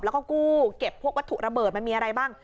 แล้วก็กู้เก็บพวกวัตถุระเบิดมันมีอะไรบ้าง